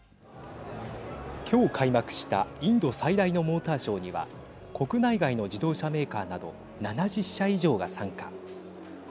今日、開幕したインド最大のモーターショーには国内外の自動車メーカーなど７０社以上が参加。